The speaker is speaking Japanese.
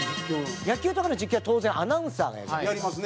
野球とかの実況は当然アナウンサーがやりますが。